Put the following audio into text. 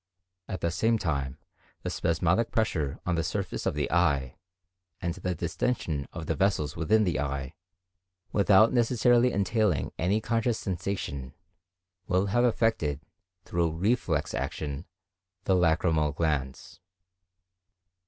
At the same time the spasmodic pressure on the surface of the eye, and the distension of the vessels within the eye, without necessarily entailing any conscious sensation, will have affected, through reflex action, the lacrymal glands.